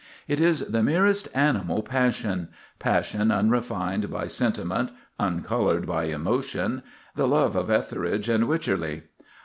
It is the merest animal passion—passion unrefined by sentiment, uncolored by emotion; the love of Etheridge and Wycherley.